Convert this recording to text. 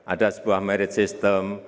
ada sebuah merit system